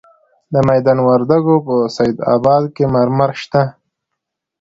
د میدان وردګو په سید اباد کې مرمر شته.